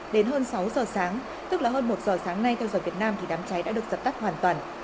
đến hơn sáu h sáng tức là hơn một h sáng nay theo giờ việt nam thì đám cháy đã được giật tắt hoàn toàn